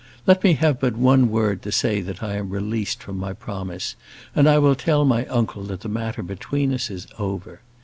Let me have but one word to say that I am released from my promise, and I will tell my uncle that the matter between us is over.